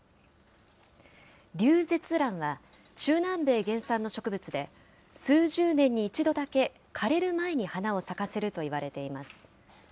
リュウゼツランは、中南米原産の植物で、数十年に１度だけ、枯れる前に花を咲かせるといわれています。